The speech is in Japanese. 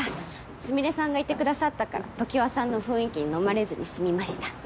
スミレさんがいてくださったから常盤さんの雰囲気に飲まれずに済みました